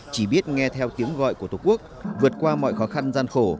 chỉ biết nghe theo tiếng gọi của tổ quốc vượt qua mọi khó khăn gian khổ